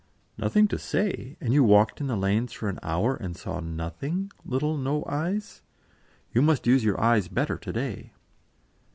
"Nothing to say! And you walked in the lanes for an hour and saw nothing, little No eyes? You must use your eyes better to day."